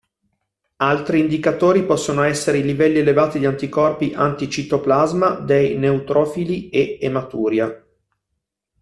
Altri indicatori possono essere i livelli elevati di anticorpi anti-citoplasma dei neutrofili e ematuria.